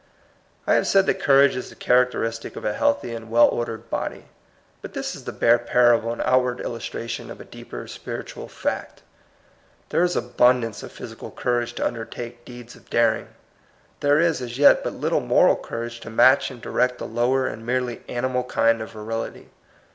I have said that courage is the cliarac teristic of a healthy and well ordered body. But this is the bare parable and outward illustration of a deeper spiritual fact. There is abundance of physical courage to undertake deeds of daring. There is as yet but little moral courage to match and direct the lower and merely animal kind of virility.